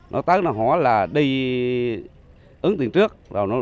nó tắt nó hóa là đi ứng tiền trước